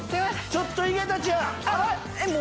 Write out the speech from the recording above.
ちょっと井桁ちゃん！